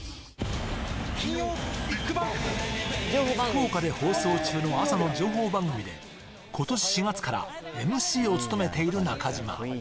福岡で放送中の朝の情報番組で今年４月からＭＣを務めている中島。